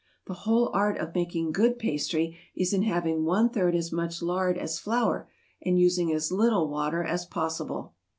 The whole art of making good pastry is in having one third as much lard as flour, and using as little water as possible.